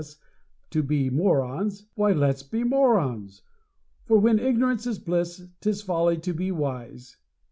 S. to be morons, why let's be morons! for when ignorance is bliss, 'tis folly to be wise.